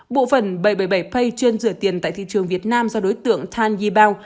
bộ phận bảy trăm bảy mươi bảy pay chuyên rửa tiền tại thị trường việt nam do đối tượng tan yibao